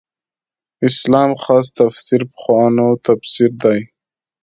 اسلام خاص تفسیر پخوانو تفسیر دی.